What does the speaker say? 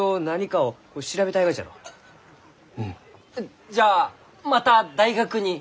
じゃあまた大学に？